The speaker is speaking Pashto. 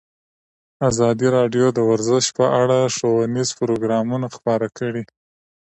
ازادي راډیو د ورزش په اړه ښوونیز پروګرامونه خپاره کړي.